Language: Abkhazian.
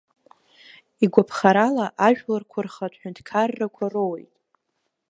Игәаԥхарала ажәларқәа рхатә ҳәынҭқаррақәа роуеит.